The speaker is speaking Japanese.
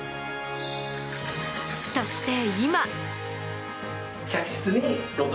そして今。